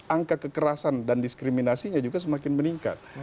angka kekerasan dan diskriminasinya juga semakin meningkat